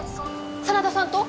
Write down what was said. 真田さんと？